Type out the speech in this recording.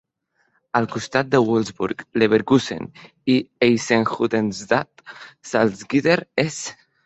Al costat de Wolfsburg, Leverkusen i Eisenhüttenstadt, Salzgitter és.